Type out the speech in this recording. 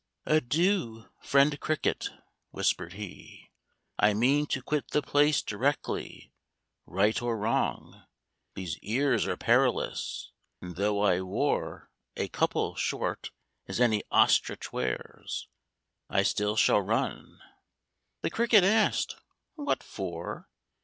"Adieu, friend Cricket," whispered he; "I mean To quit the place directly, right or wrong. These ears are perilous; and, though I wore A couple short as any Ostrich wears, I still should run." The Cricket asked, "What for?